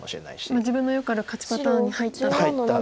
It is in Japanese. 自分のよくある勝ちパターンに入ったと。